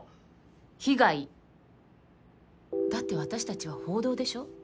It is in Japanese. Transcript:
被害？だって私たちは報道でしょ？